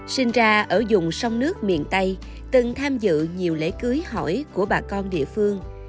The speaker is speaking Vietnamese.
sinh ra ở dùng sông nước miền tây từng tham dự nhiều lễ cưới hỏi của bà con địa phương